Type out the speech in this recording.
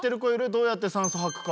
どうやって酸素はくか。